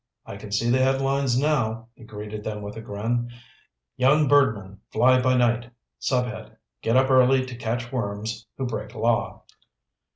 "I can see the headlines now," he greeted them with a grin. "Young Birdmen Fly by Night. Subhead: Get Up Early to Catch Worms Who Break Law."